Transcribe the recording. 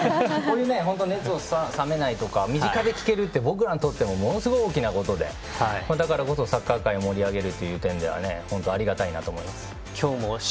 この熱が冷めないとか身近で聞けるのは僕らにとってもものすごい大きなことでだからこそサッカー界を盛り上げるという点ではありがたいと思います。